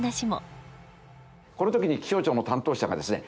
この時に気象庁の担当者がですね